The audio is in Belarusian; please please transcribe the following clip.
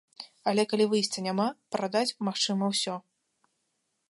Але калі выйсця няма, прадаць магчыма ўсё.